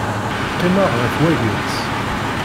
Qqimeɣ ɣef wagens.